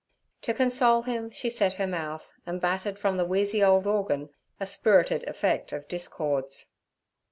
To console him she set her mouth, and battered from the wheezy old organ a spirited effect of discords.